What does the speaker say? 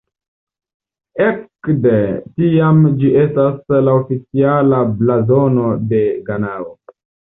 Ekde tiam ĝi estas la oficiala blazono de Ganao.